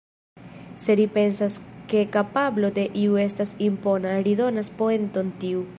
Se ri pensas ke kapablo de iu estas impona, ri donas poenton tiu.